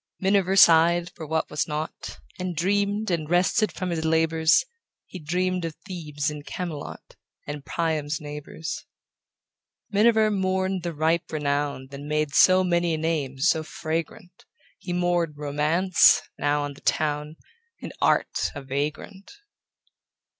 Miniver sighed for what was not, And dreamed, and rested from his labors; He dreamed of Thebes and Camelot, And Priam's neighbors. Miniver mourned the ripe renown That made so many a name so fragrant; He mourned Romance, now on the town, And Art, a vagrant.